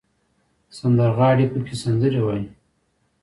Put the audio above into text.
سندرغاړي پکې سندرې وايي.